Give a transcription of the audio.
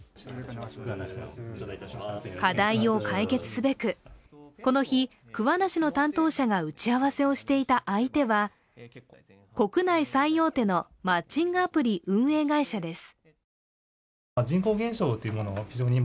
課題を解決すべく、この日、桑名市の担当者が打ち合わせをしていた相手は国内最大手のマッチングアプリ運営会社です。